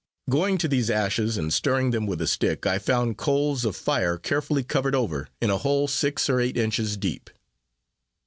Going to these ashes, and stirring them with a stick, I found coals of fire carefully covered over, in a hole six or eight inches deep.